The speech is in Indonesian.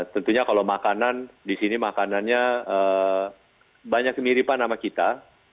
tentunya kalau makanan disini makanannya banyak kemiripan sama kita